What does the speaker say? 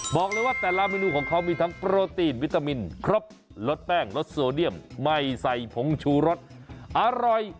บอกเลยว่าแต่ละเมนูของเขามีทั้งโปรตีนวิตามินครบรสแป้งรสโซเดียมไม่ใส่ผงชูรสอร่อย